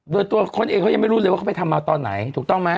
โดยตัวเขาเองเขายังไม่รู้เลยว่าเขาไปทำมาตอนไหนถูกต้องไหม